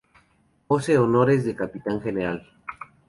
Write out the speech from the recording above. Pose honores de Capitán General.